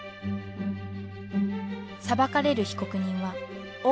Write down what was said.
裁かれる被告人は王妃。